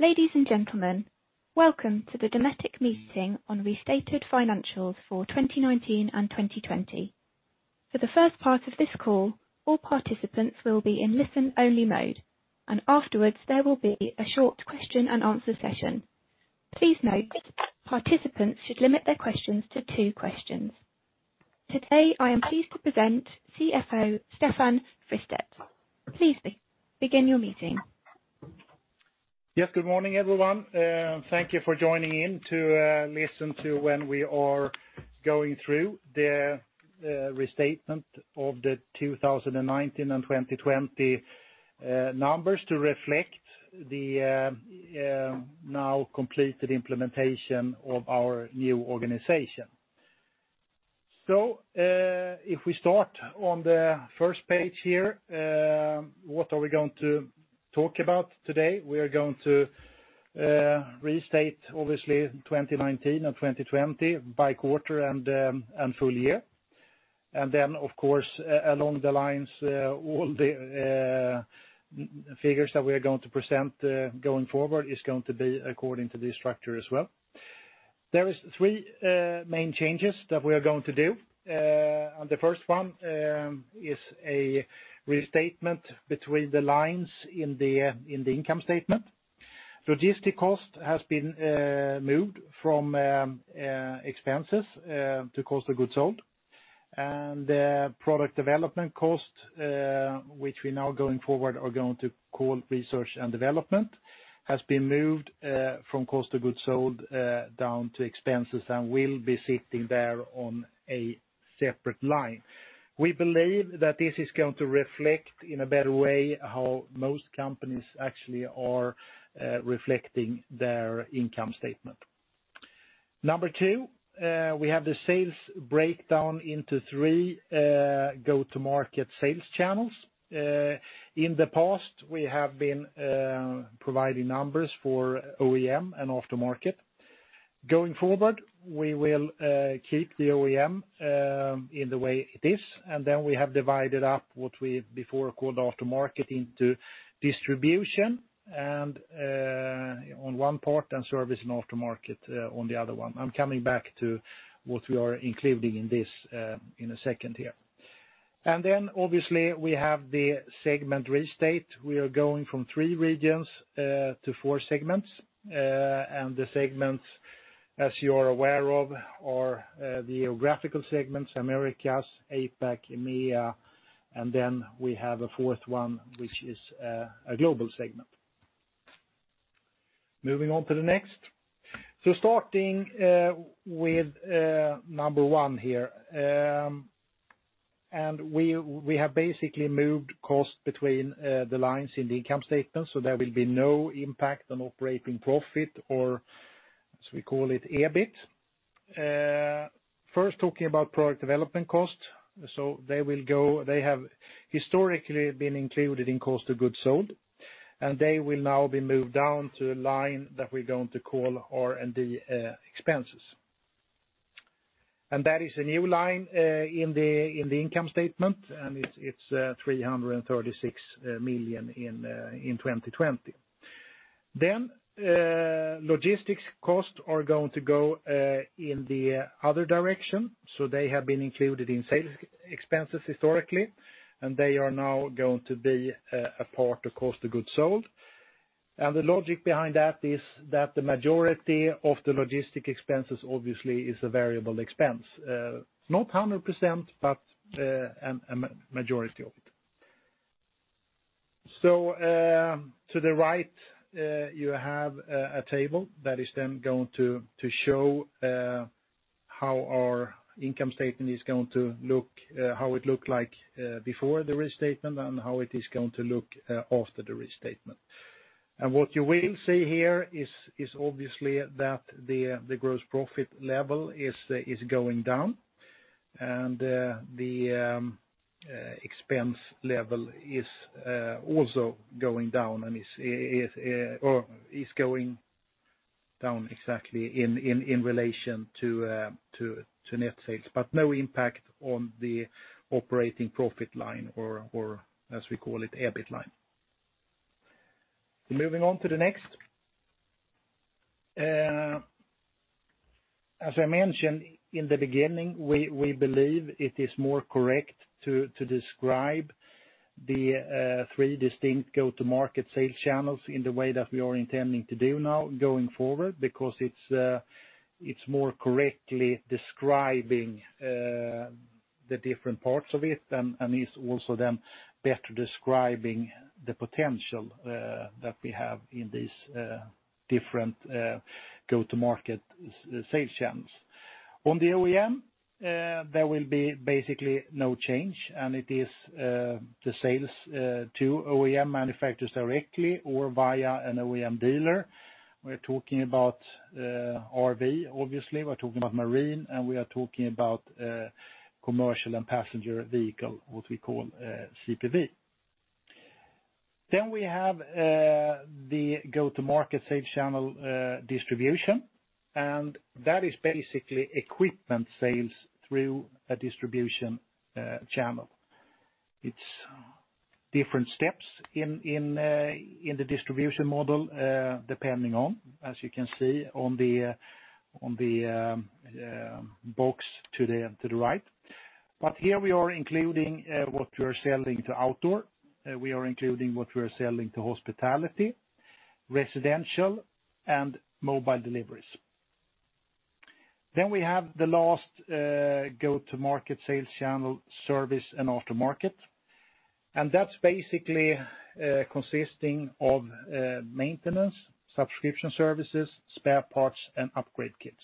Ladies and gentlemen, welcome to the Dometic Meeting on Restated Financials for 2019 and 2020. For the first part of this call, all participants will be in listen-only mode, and afterwards there will be a short question-and-answer session. Please note, participants should limit their questions to two questions. Today, I am pleased to present CFO Stefan Fristedt. Please begin your meeting. Yes, good morning everyone. Thank you for joining in to listen to when we are going through the restatement of the 2019 and 2020 numbers to reflect the now completed implementation of our new organization. If we start on the first page here, what are we going to talk about today? We are going to restate, obviously, 2019 and 2020 by quarter and full year. Of course, along the lines, all the figures that we are going to present going forward is going to be according to this structure as well. There are three main changes that we are going to do. The first one is a restatement between the lines in the income statement. Logistics cost has been moved from expenses to cost of goods sold. The product development cost, which we now going forward are going to call research and development, has been moved from cost of goods sold down to expenses and will be sitting there on a separate line. We believe that this is going to reflect in a better way how most companies actually are reflecting their income statement. Number two, we have the sales breakdown into three go-to-market sales channels. In the past, we have been providing numbers for OEM and aftermarket. Going forward, we will keep the OEM in the way it is. We have divided up what we before called aftermarket into distribution on one part and service and aftermarket on the other one. I'm coming back to what we are including in this in a second here. Obviously, we have the segment restate. We are going from three regions to four segments. The segments, as you are aware of, are the geographical segments: Americas, APAC, EMEA. We have a fourth one, which is a global segment. Moving on to the next. Starting with number one here. We have basically moved cost between the lines in the income statement, so there will be no impact on operating profit or, as we call it, EBIT. First, talking about product development cost. They have historically been included in cost of goods sold. They will now be moved down to a line that we are going to call R&D expenses. That is a new line in the income statement, and it is 336 million in 2020. Logistics costs are going to go in the other direction. They have been included in sales expenses historically, and they are now going to be a part of cost of goods sold. The logic behind that is that the majority of the logistic expenses, obviously, is a variable expense. Not 100%, but a majority of it. To the right, you have a table that is then going to show how our income statement is going to look, how it looked like before the restatement, and how it is going to look after the restatement. What you will see here is, obviously, that the gross profit level is going down, and the expense level is also going down and is going down exactly in relation to net sales, but no impact on the operating profit line or, as we call it, EBIT line. Moving on to the next. As I mentioned in the beginning, we believe it is more correct to describe the three distinct go-to-market sales channels in the way that we are intending to do now going forward because it is more correctly describing the different parts of it and is also then better describing the potential that we have in these different go-to-market sales channels. On the OEM, there will be basically no change, and it is the sales to OEM manufacturers directly or via an OEM dealer. We're talking about RV, obviously. We're talking about marine, and we are talking about commercial and passenger vehicle, what we call CPV. Then we have the go-to-market sales channel distribution, and that is basically equipment sales through a distribution channel. It's different steps in the distribution model depending on, as you can see on the box to the right. Here we are including what we are selling to outdoor. We are including what we are selling to hospitality, residential, and mobile deliveries. We have the last go-to-market sales channel: service and aftermarket. That is basically consisting of maintenance, subscription services, spare parts, and upgrade kits.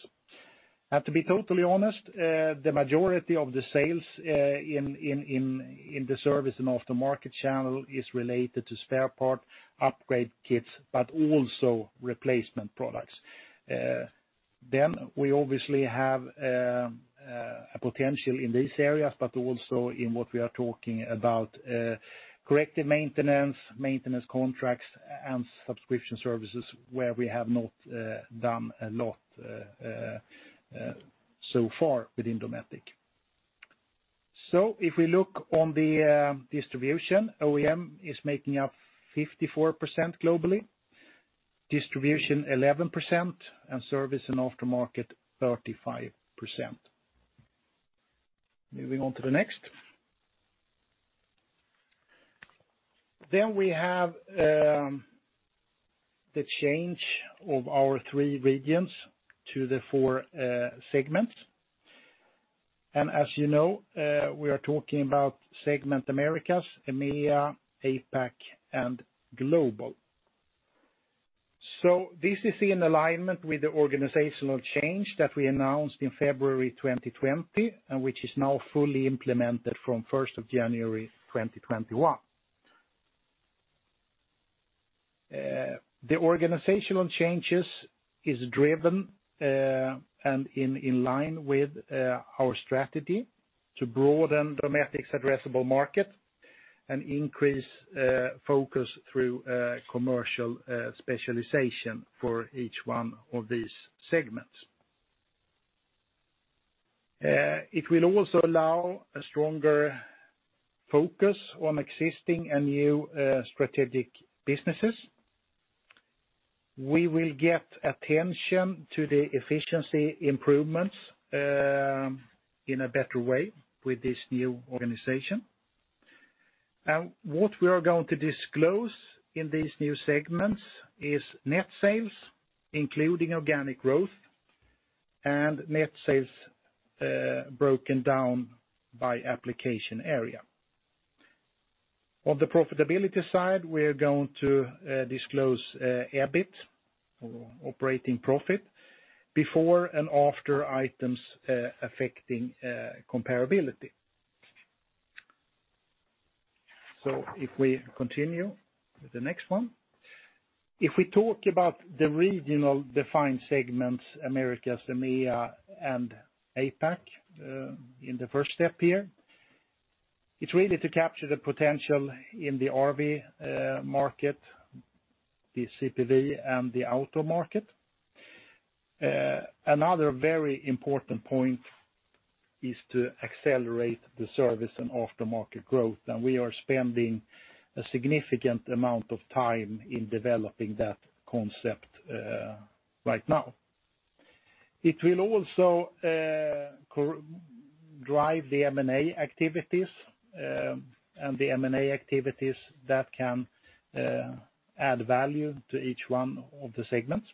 To be totally honest, the majority of the sales in the service and aftermarket channel is related to spare parts, upgrade kits, but also replacement products. We obviously have a potential in these areas, but also in what we are talking about: corrective maintenance, maintenance contracts, and subscription services where we have not done a lot so far within Dometic. If we look on the distribution, OEM is making up 54% globally, distribution 11%, and service and aftermarket 35%. Moving on to the next. We have the change of our three regions to the four segments. As you know, we are talking about segment Americas, EMEA, APAC, and global. This is in alignment with the organizational change that we announced in February 2020, which is now fully implemented from first of January, 2021. The organizational changes are driven and in line with our strategy to broaden Dometic's addressable market and increase focus through commercial specialization for each one of these segments. It will also allow a stronger focus on existing and new strategic businesses. We will get attention to the efficiency improvements in a better way with this new organization. What we are going to disclose in these new segments is net sales, including organic growth, and net sales broken down by application area. On the profitability side, we are going to disclose EBIT or operating profit before and after items affecting comparability. If we continue to the next one. If we talk about the regional defined segments: Americas, EMEA, and APAC in the first step here, it's really to capture the potential in the RV market, the CPV, and the outdoor market. Another very important point is to accelerate the service and aftermarket growth, and we are spending a significant amount of time in developing that concept right now. It will also drive the M&A activities and the M&A activities that can add value to each one of the segments.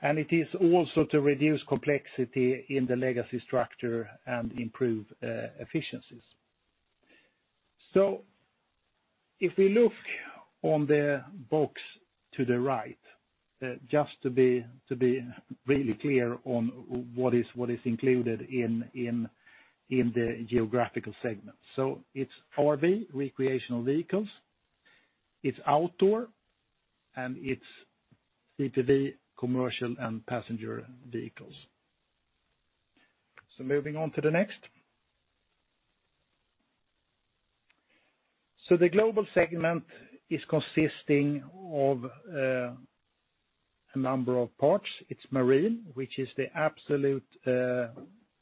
It is also to reduce complexity in the legacy structure and improve efficiencies. If we look on the box to the right, just to be really clear on what is included in the geographical segments. It's RV, recreational vehicles. It's outdoor, and it's CPV, commercial, and passenger vehicles. Moving on to the next. The global segment is consisting of a number of parts. It's marine, which is the absolute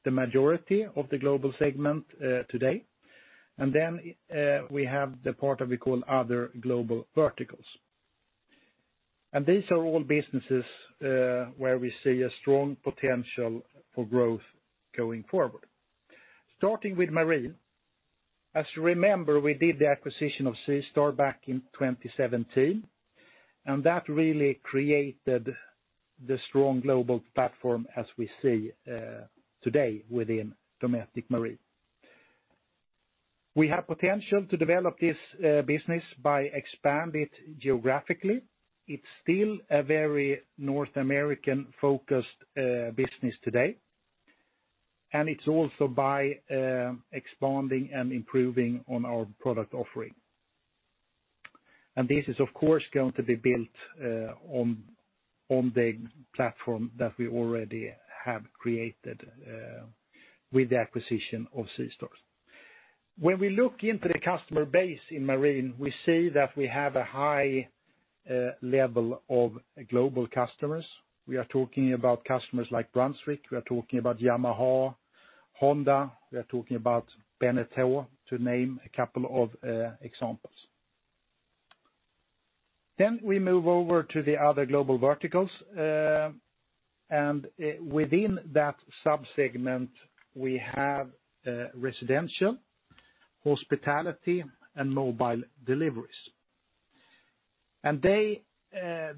majority of the global segment today. Then we have the part that we call other global verticals. These are all businesses where we see a strong potential for growth going forward. Starting with marine, as you remember, we did the acquisition of SeaStar back in 2017, and that really created the strong global platform as we see today within Dometic Marine. We have potential to develop this business by expanding it geographically. It's still a very North American-focused business today, and it's also by expanding and improving on our product offering. This is, of course, going to be built on the platform that we already have created with the acquisition of SeaStar. When we look into the customer base in marine, we see that we have a high level of global customers. We are talking about customers like Brunswick. We are talking about Yamaha, Honda. We are talking about Beneteau, to name a couple of examples. We move over to the other global verticals. Within that subsegment, we have residential, hospitality, and mobile deliveries.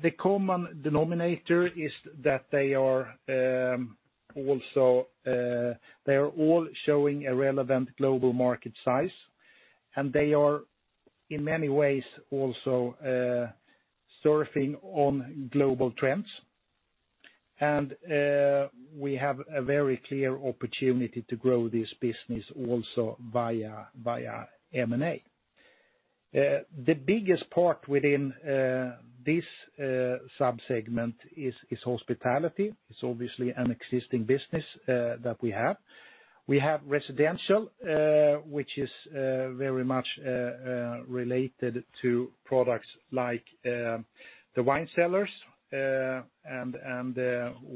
The common denominator is that they are all showing a relevant global market size, and they are, in many ways, also surfing on global trends. We have a very clear opportunity to grow this business also via M&A. The biggest part within this subsegment is hospitality. It is obviously an existing business that we have. We have residential, which is very much related to products like the wine cellars and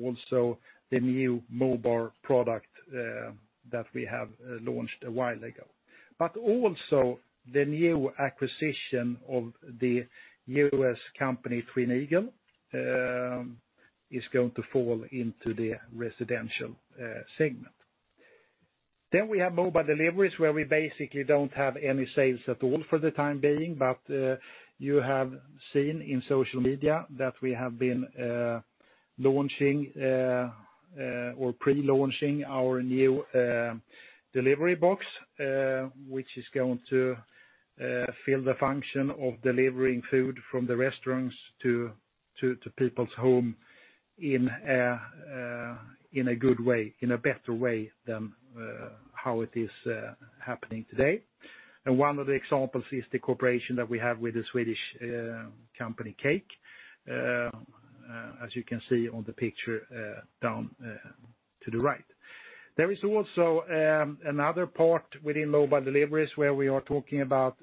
also the new mobile product that we have launched a while ago. Also, the new acquisition of the U.S. company Twin Eagles is going to fall into the residential segment. We have mobile deliveries where we basically do not have any sales at all for the time being, but you have seen in social media that we have been launching or pre-launching our new Delivery Box, which is going to fill the function of delivering food from the restaurants to people's homes in a good way, in a better way than how it is happening today. One of the examples is the cooperation that we have with the Swedish company CAKE, as you can see on the picture down to the right. There is also another part within mobile deliveries where we are talking about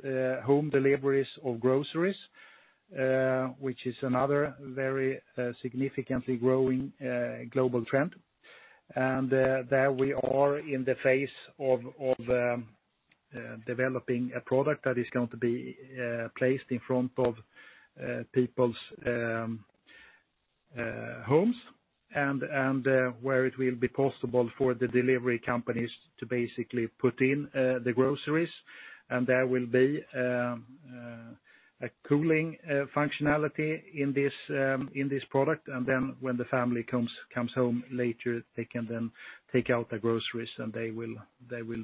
home deliveries of groceries, which is another very significantly growing global trend. We are in the phase of developing a product that is going to be placed in front of people's homes and where it will be possible for the delivery companies to basically put in the groceries. There will be a cooling functionality in this product. When the family comes home later, they can then take out the groceries, and they will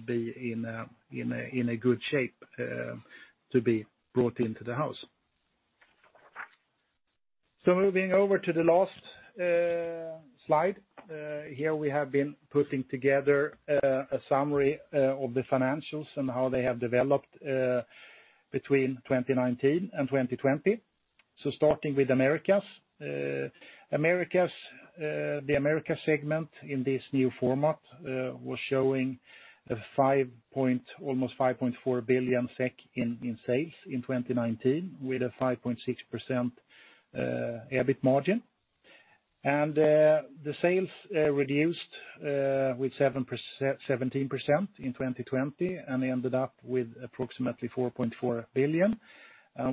be in a good shape to be brought into the house. Moving over to the last slide. Here we have been putting together a summary of the financials and how they have developed between 2019 and 2020. Starting with Americas. The Americas segment in this new format was showing almost 5.4 billion SEK in sales in 2019 with a 5.6% EBIT margin. The sales reduced with 17% in 2020 and ended up with approximately 4.4 billion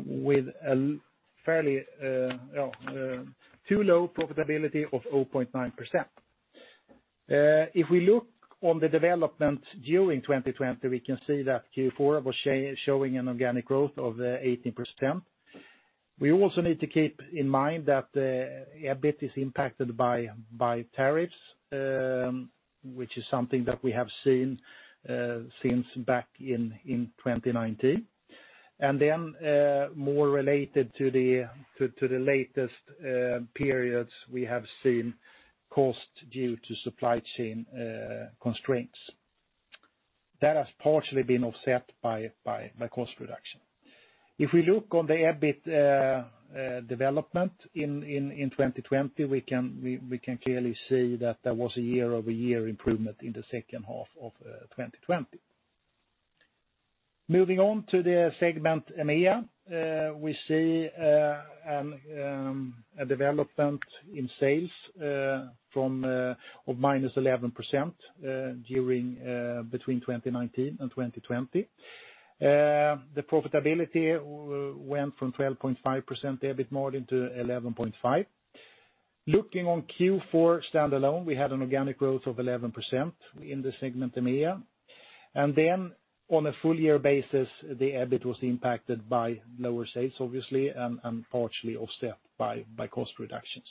with a fairly too low profitability of 0.9%. If we look on the development during 2020, we can see that Q4 was showing an organic growth of 18%. We also need to keep in mind that EBIT is impacted by tariffs, which is something that we have seen since back in 2019. Then more related to the latest periods, we have seen cost due to supply chain constraints. That has partially been offset by cost reduction. If we look on the EBIT development in 2020, we can clearly see that there was a year-over-year improvement in the second half of 2020. Moving on to the segment EMEA, we see a development in sales of -11% between 2019 and 2020. The profitability went from 12.5% EBIT margin to 11.5%. Looking on Q4 standalone, we had an organic growth of 11% in the segment EMEA. On a full-year basis, the EBIT was impacted by lower sales, obviously, and partially offset by cost reductions.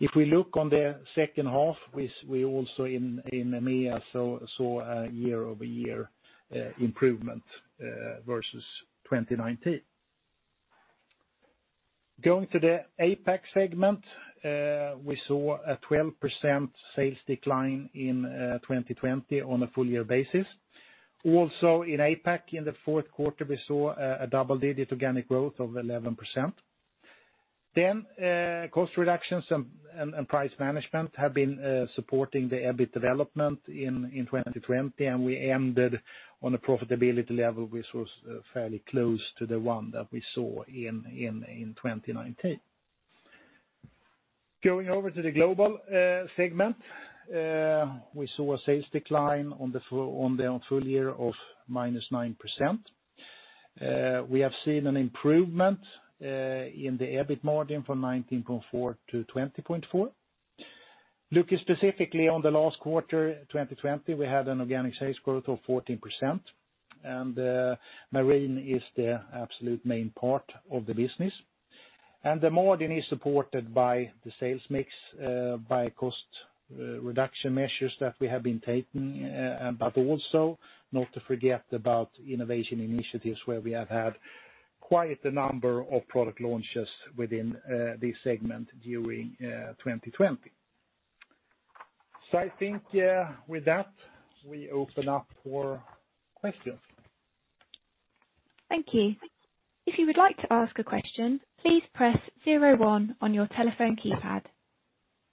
If we look on the second half, we also in EMEA saw a year-over-year improvement versus 2019. Going to the APAC segment, we saw a 12% sales decline in 2020 on a full-year basis. Also, in APAC, in the fourth quarter, we saw a double-digit organic growth of 11%. Cost reductions and price management have been supporting the EBIT development in 2020, and we ended on a profitability level which was fairly close to the one that we saw in 2019. Going over to the global segment, we saw a sales decline on the full year of -9%. We have seen an improvement in the EBIT margin from 19.4% to 20.4%. Looking specifically on the last quarter, 2020, we had an organic sales growth of 14%, and marine is the absolute main part of the business. The margin is supported by the sales mix, by cost reduction measures that we have been taking, but also not to forget about innovation initiatives where we have had quite a number of product launches within this segment during 2020. I think with that, we open up for questions. Thank you. If you would like to ask a question, please press zero one on your telephone keypad.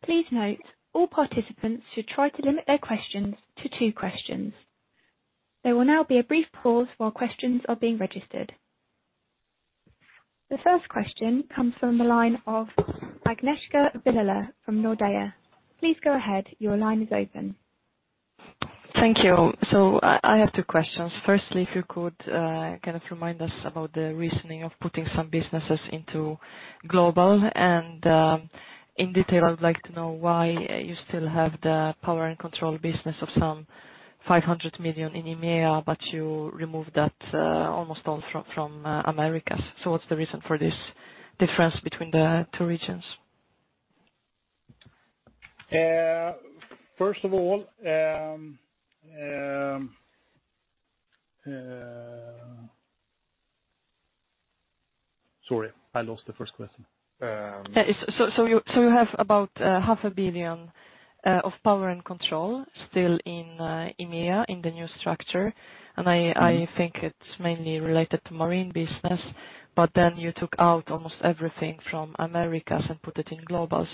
Please note all participants should try to limit their questions to two questions. There will now be a brief pause while questions are being registered. The first question comes from the line of Agnieszka Vilela from Nordea. Please go ahead. Your line is open. Thank you. I have two questions. Firstly, if you could kind of remind us about the reasoning of putting some businesses into global. In detail, I would like to know why you still have the power and control business of some 500 million in EMEA, but you removed that almost all from Americas. What is the reason for this difference between the two regions? First of all, sorry, I lost the first question. You have about 500 million of power and control still in EMEA in the new structure, and I think it's mainly related to marine business, but then you took out almost everything from Americas and put it in global.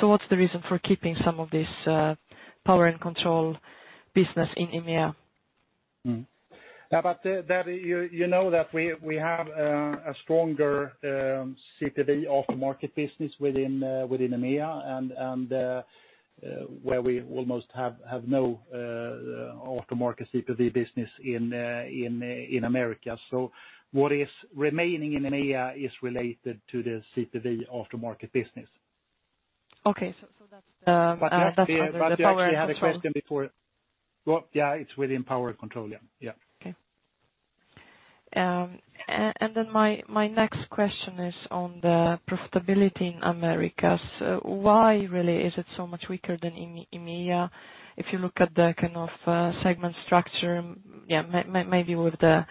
What's the reason for keeping some of this power and control business in EMEA? You know that we have a stronger CPV aftermarket business within EMEA and where we almost have no aftermarket CPV business in Americas. What is remaining in EMEA is related to the CPV aftermarket business. Okay. So, that's the power and control. You had a question before. Yeah, it's within power and control, yeah. Yeah. Okay. My next question is on the profitability in Americas. Why really is it so much weaker than EMEA? If you look at the kind of segment structure, maybe with the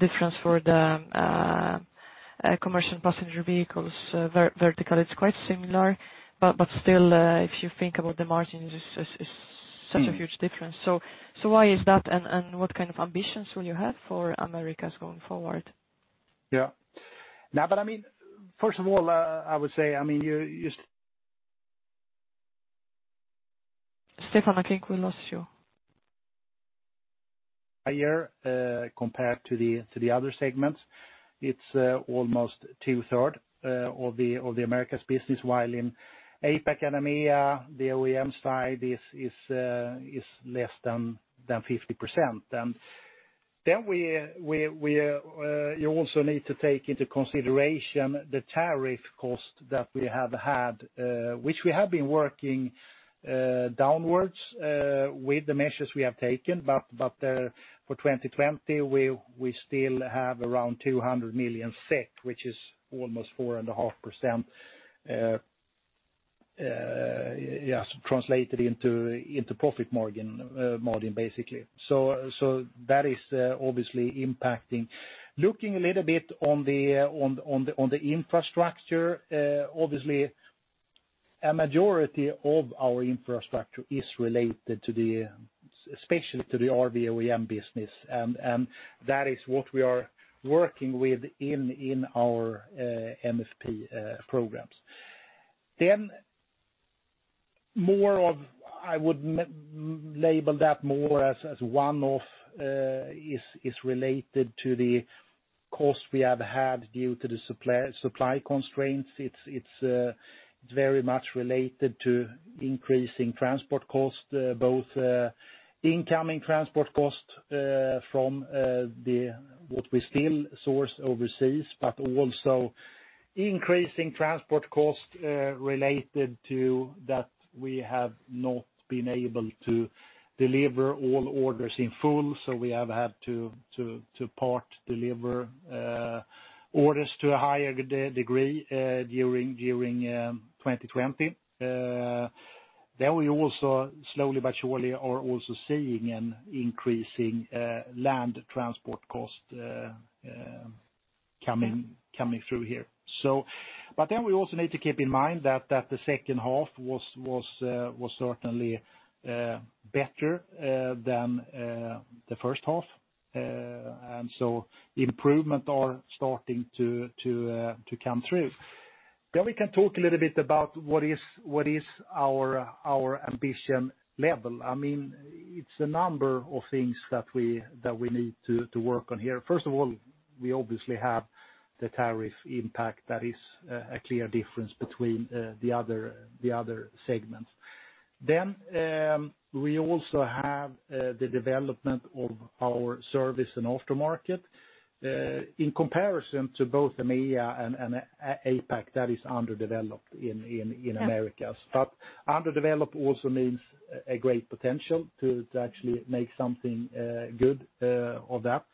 difference for the commercial passenger vehicles vertical, it is quite similar, but still, if you think about the margins, it is such a huge difference. Why is that, and what kind of ambitions will you have for Americas going forward? Yeah. No, but I mean, first of all, I would say, I mean, you. Stefan, I think we lost you. Year, compared to the other segments, it's almost two-thirds of the Americas business, while in APAC and EMEA, the OEM side is less than 50%. You also need to take into consideration the tariff cost that we have had, which we have been working downwards with the measures we have taken, but for 2020, we still have around 200 million, which is almost 4.5%, yeah, translated into profit margin, basically. That is obviously impacting. Looking a little bit on the infrastructure, obviously, a majority of our infrastructure is related to, especially to the RV OEM business, and that is what we are working with in our MFP programs. More of, I would label that more as one-off, is related to the cost we have had due to the supply constraints. It's very much related to increasing transport cost, both incoming transport cost from what we still source overseas, but also increasing transport cost related to that we have not been able to deliver all orders in full. We have had to part deliver orders to a higher degree during 2020. We also slowly but surely are also seeing an increasing land transport cost coming through here. We also need to keep in mind that the second half was certainly better than the first half, and improvements are starting to come through. We can talk a little bit about what is our ambition level. I mean, it's a number of things that we need to work on here. First of all, we obviously have the tariff impact that is a clear difference between the other segments. We also have the development of our service and aftermarket. In comparison to both EMEA and APAC, that is underdeveloped in Americas. Underdeveloped also means a great potential to actually make something good of that.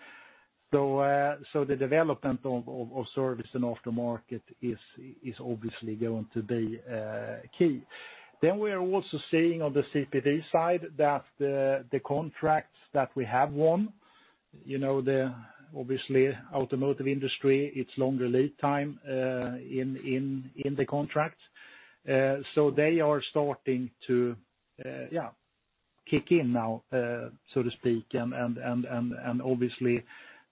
The development of service and aftermarket is obviously going to be key. We are also seeing on the CPV side that the contracts that we have won, obviously automotive industry, it is longer lead time in the contracts. They are starting to, yeah, kick in now, so to speak, and obviously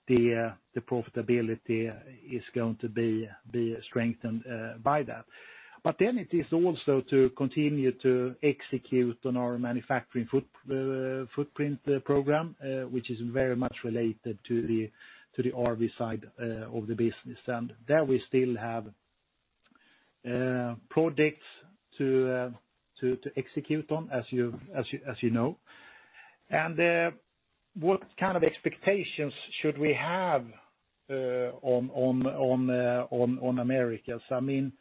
the profitability is going to be strengthened by that. It is also to continue to execute on our manufacturing footprint program, which is very much related to the RV side of the business. There we still have projects to execute on, as you know. What kind of expectations should we have on Americas? I mean,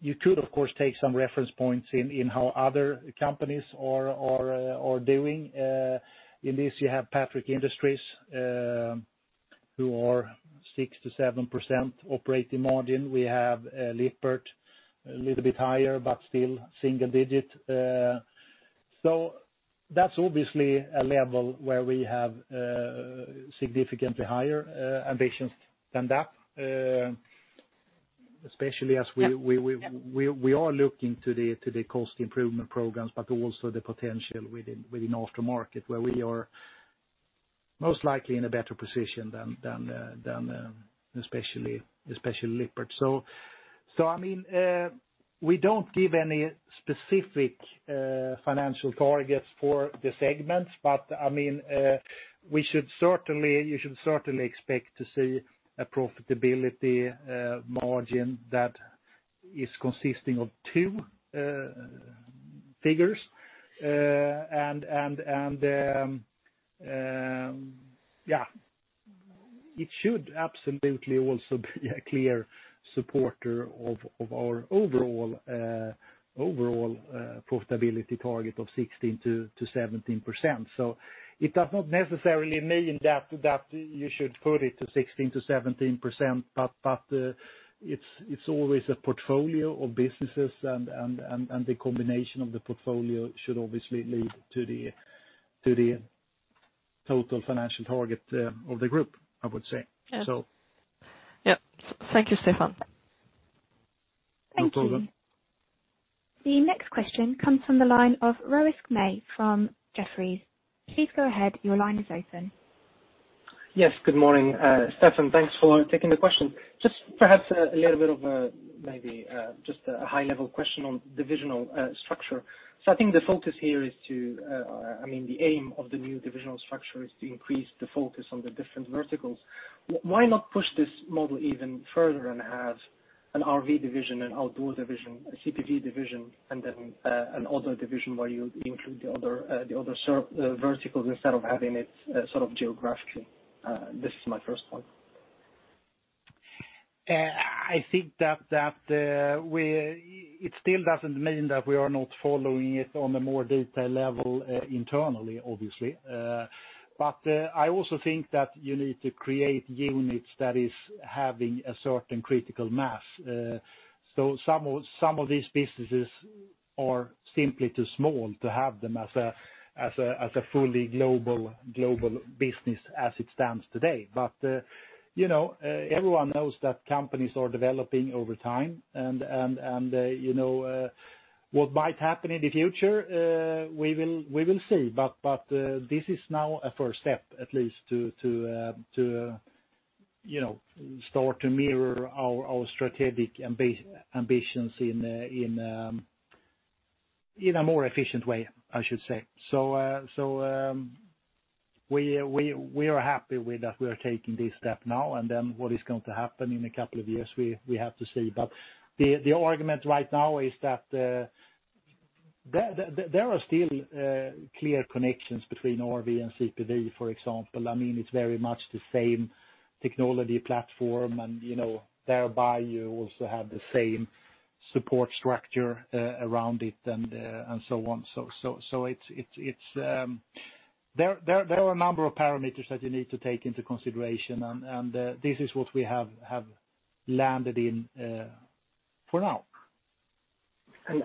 you could, of course, take some reference points in how other companies are doing. In this, you have Patrick Industries who are 6%-7% operating margin. We have Lippert, a little bit higher, but still single digit. That is obviously a level where we have significantly higher ambitions than that, especially as we are looking to the cost improvement programs, but also the potential within aftermarket where we are most likely in a better position than especially Lippert. I mean, we do not give any specific financial targets for the segments, but I mean, you should certainly expect to see a profitability margin that is consisting of two figures. Yeah, it should absolutely also be a clear supporter of our overall profitability target of 16%-17%. It does not necessarily mean that you should put it to 16%-17%, but it's always a portfolio of businesses, and the combination of the portfolio should obviously lead to the total financial target of the group, I would say. Yeah. Thank you, Stefan. Thank you. The next question comes from the line of Rowisk May from Jefferies. Please go ahead. Your line is open. Yes. Good morning, Stefan. Thanks for taking the question. Just perhaps a little bit of maybe just a high-level question on divisional structure. I think the focus here is to, I mean, the aim of the new divisional structure is to increase the focus on the different verticals. Why not push this model even further and have an RV division, an outdoor division, a CPV division, and then an other division where you include the other verticals instead of having it sort of geographically? This is my first point. I think that it still doesn't mean that we are not following it on a more detailed level internally, obviously. I also think that you need to create units that are having a certain critical mass. Some of these businesses are simply too small to have them as a fully global business as it stands today. Everyone knows that companies are developing over time, and what might happen in the future, we will see. This is now a first step, at least, to start to mirror our strategic ambitions in a more efficient way, I should say. We are happy that we are taking this step now, and then what is going to happen in a couple of years, we have to see. The argument right now is that there are still clear connections between RV and CPV, for example. I mean, it's very much the same technology platform, and thereby you also have the same support structure around it and so on. There are a number of parameters that you need to take into consideration, and this is what we have landed in for now.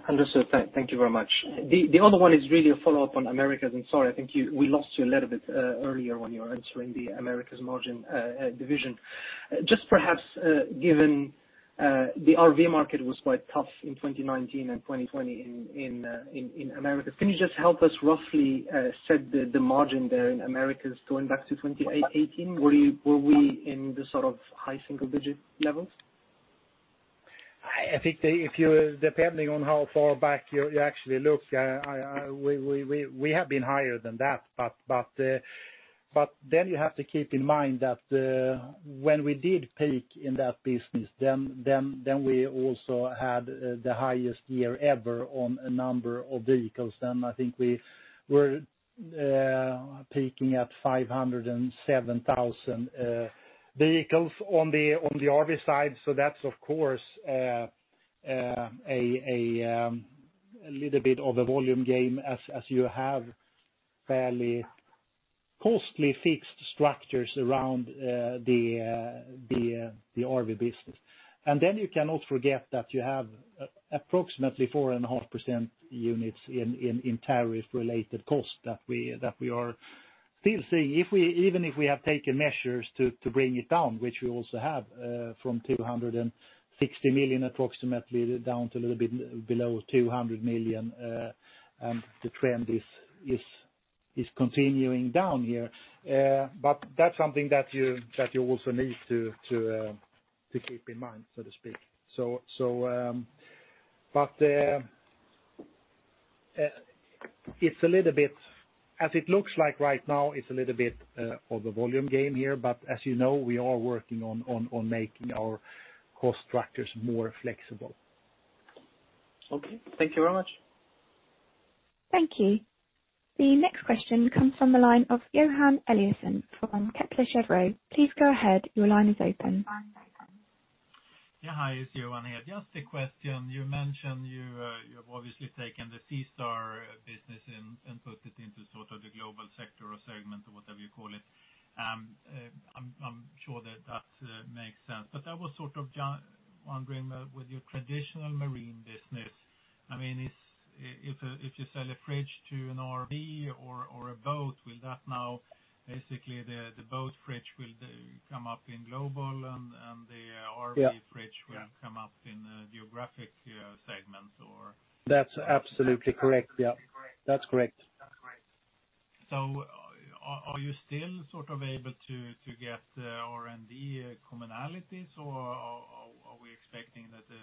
Understood. Thank you very much. The other one is really a follow-up on Americas, and sorry, I think we lost you a little bit earlier when you were answering the Americas margin division. Just perhaps given the RV market was quite tough in 2019 and 2020 in Americas, can you just help us roughly set the margin there in Americas going back to 2018? Were we in the sort of high single-digit levels? I think depending on how far back you actually look, we have been higher than that. You have to keep in mind that when we did peak in that business, we also had the highest year ever on a number of vehicles. I think we were peaking at 507,000 vehicles on the RV side. That is of course a little bit of a volume game as you have fairly costly fixed structures around the RV business. You cannot forget that you have approximately 4.5% units in tariff-related cost that we are still seeing, even if we have taken measures to bring it down, which we also have from 260 million approximately down to a little bit below 200 million, and the trend is continuing down here. That is something that you also need to keep in mind, so to speak. It's a little bit, as it looks like right now, it's a little bit of a volume game here, but as you know, we are working on making our cost structures more flexible. Okay. Thank you very much. Thank you. The next question comes from the line of Johan Eliasson from Kepler Cheuvreux. Please go ahead. Your line is open. Yeah. Hi. It's Johan here. Just a question. You mentioned you have obviously taken the SeaStar business and put it into sort of the global sector or segment or whatever you call it. I'm sure that makes sense. I was sort of wondering with your traditional marine business, I mean, if you sell a fridge to an RV or a boat, will that now basically the boat fridge will come up in global and the RV fridge will come up in geographic segments or? That's absolutely correct. Yeah, that's correct. Are you still sort of able to get R&D commonalities or are we expecting that the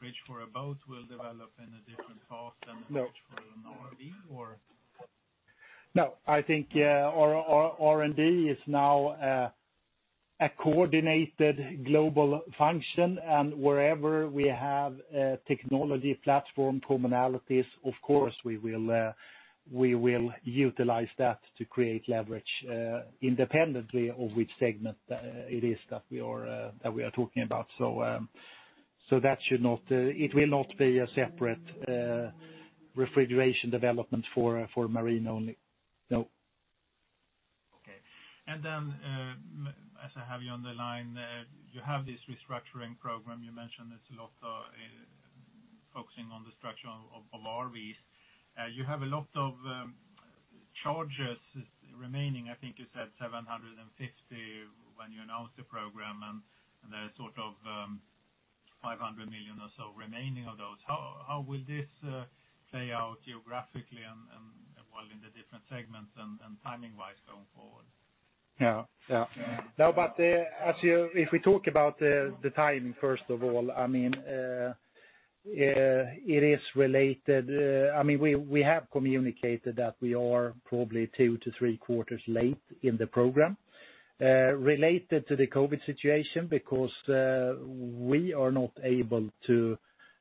fridge for a boat will develop in a different path than the fridge for an RV or? No. I think R&D is now a coordinated global function, and wherever we have technology platform commonalities, of course we will utilize that to create leverage independently of which segment it is that we are talking about. That should not, it will not be a separate refrigeration development for marine only. No. Okay. As I have you on the line, you have this restructuring program. You mentioned it's a lot of focusing on the structure of RVs. You have a lot of charges remaining. I think you said 750 million when you announced the program, and there are sort of 500 million or so remaining of those. How will this play out geographically and in the different segments and timing-wise going forward? Yeah. Yeah. No, but if we talk about the timing first of all, I mean, it is related. I mean, we have communicated that we are probably two to three quarters late in the program related to the COVID situation because we are not able to,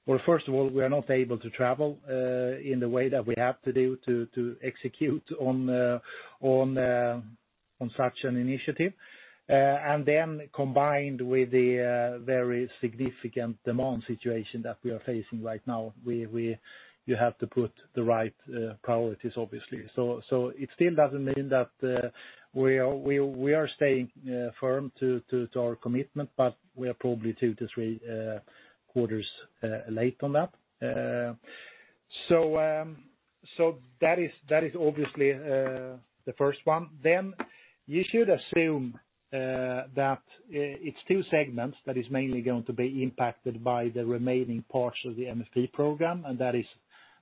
or first of all, we are not able to travel in the way that we have to do to execute on such an initiative. Then combined with the very significant demand situation that we are facing right now, you have to put the right priorities, obviously. It still does not mean that we are staying firm to our commitment, but we are probably two to three quarters late on that. That is obviously the first one. You should assume that it's two segments that are mainly going to be impacted by the remaining parts of the MFP program, and that is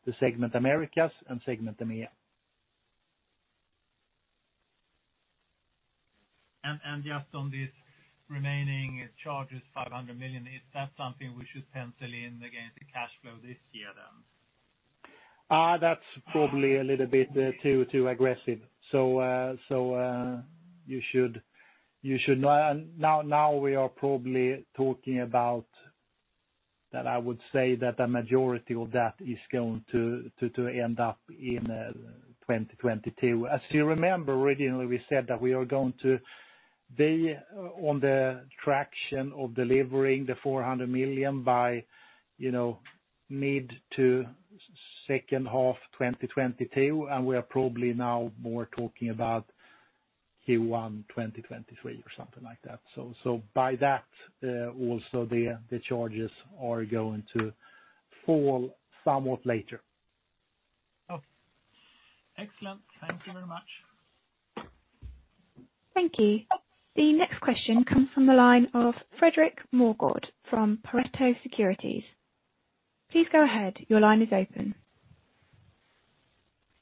the segment Americas and segment EMEA. Just on these remaining charges, 500 million, is that something we should pencil in against the cash flow this year then? That's probably a little bit too aggressive. You should know. Now we are probably talking about that. I would say that the majority of that is going to end up in 2022. As you remember, originally we said that we are going to be on the traction of delivering the 400 million by mid to second half 2022, and we are probably now more talking about Q1 2023 or something like that. By that, also the charges are going to fall somewhat later. Okay. Excellent. Thank you very much. Thank you. The next question comes from the line of Fredrik Moregård from Pareto Securities. Please go ahead. Your line is open.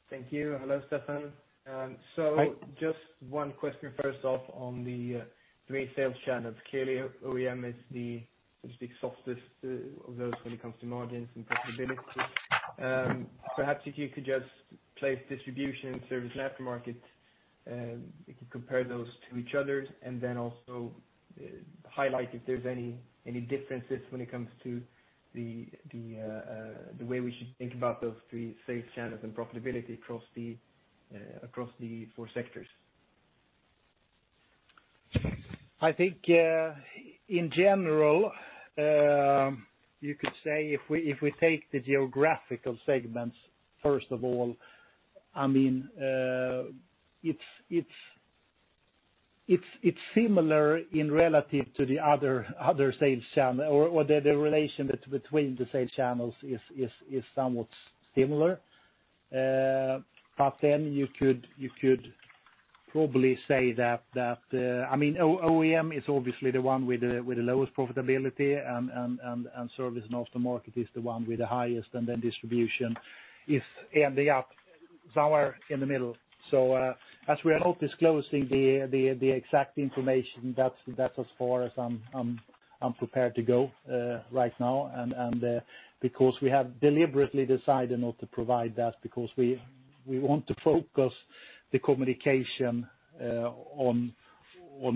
Thank you. Hello, Stefan. So just one question first off on the retail channel. Clearly, OEM is the softest of those when it comes to margins and profitability. Perhaps if you could just place distribution and service aftermarket, you could compare those to each other and then also highlight if there's any differences when it comes to the way we should think about those three sales channels and profitability across the four sectors. I think in general, you could say if we take the geographical segments first of all, I mean, it's similar in relative to the other sales channel or the relation between the sales channels is somewhat similar. You could probably say that, I mean, OEM is obviously the one with the lowest profitability, and service and aftermarket is the one with the highest, and then distribution is ending up somewhere in the middle. As we are not disclosing the exact information, that's as far as I'm prepared to go right now. We have deliberately decided not to provide that because we want to focus the communication on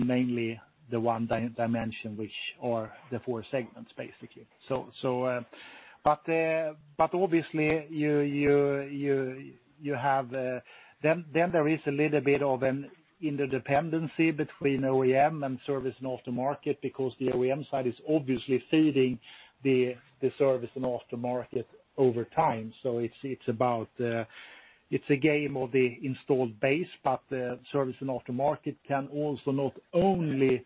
mainly the one dimension, which are the four segments basically. Obviously, you have then there is a little bit of an interdependency between OEM and service and aftermarket because the OEM side is obviously feeding the service and aftermarket over time. It is a game of the installed base, but service and aftermarket can also not only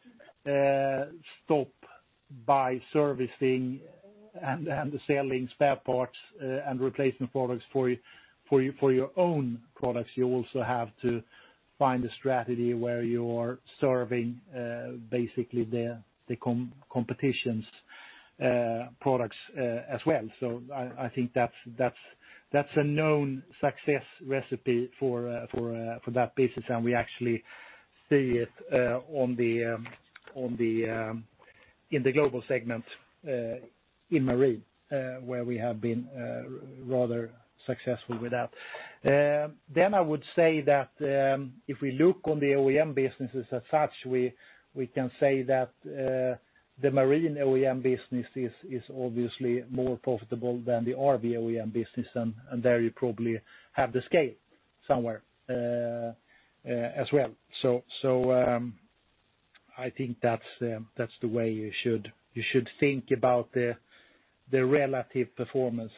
stop by servicing and selling spare parts and replacement products for your own products. You also have to find a strategy where you are serving basically the competition's products as well. I think that's a known success recipe for that business, and we actually see it in the global segment in marine where we have been rather successful with that. I would say that if we look on the OEM businesses as such, we can say that the marine OEM business is obviously more profitable than the RV OEM business, and there you probably have the scale somewhere as well. I think that's the way you should think about the relative performance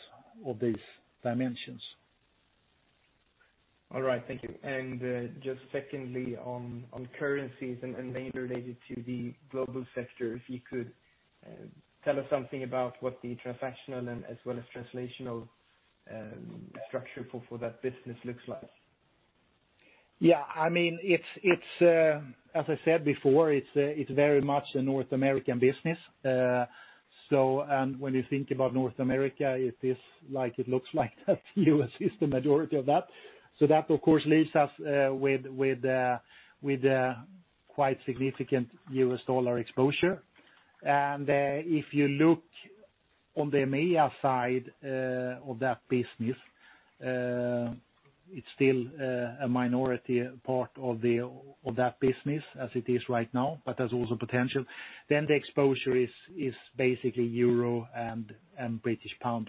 of these dimensions. All right. Thank you. Just secondly, on currencies and mainly related to the global sector, if you could tell us something about what the transactional and as well as translational structure for that business looks like. Yeah. I mean, as I said before, it's very much a North American business. And when you think about North America, it looks like the US is the majority of that. That, of course, leaves us with quite significant U.S. dollar exposure. If you look on the EMEA side of that business, it's still a minority part of that business as it is right now, but there's also potential. The exposure is basically euro and British pound,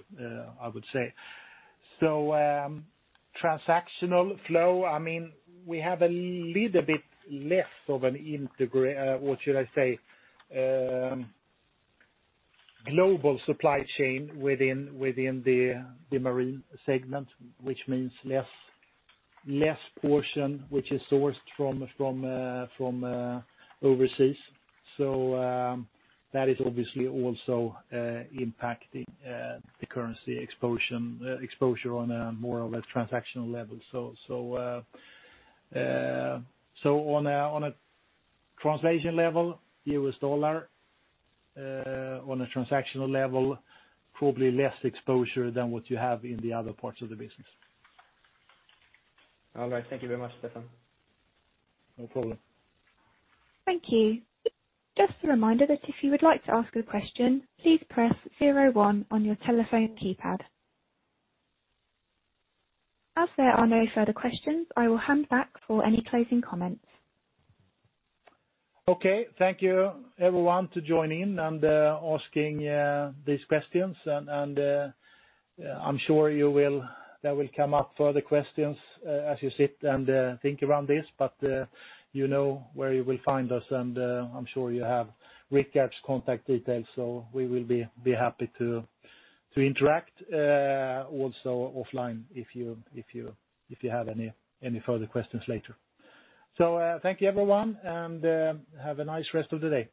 I would say. Transactional flow, I mean, we have a little bit less of an integrated, what should I say, global supply chain within the marine segment, which means less portion which is sourced from overseas. That is obviously also impacting the currency exposure on more of a transactional level. On a translation level, U.S. dollar, on a transactional level, probably less exposure than what you have in the other parts of the business. All right. Thank you very much, Stefan. No problem. Thank you. Just a reminder that if you would like to ask a question, please press zero one on your telephone keypad. As there are no further questions, I will hand back for any closing comments. Okay. Thank you, everyone, to join in and asking these questions. I am sure there will come up further questions as you sit and think around this, but you know where you will find us, and I am sure you have Rikard's contact details, so we will be happy to interact also offline if you have any further questions later. Thank you, everyone, and have a nice rest of the day.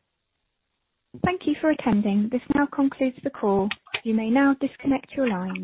Thank you for attending. This now concludes the call. You may now disconnect your line.